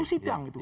itu sidang itu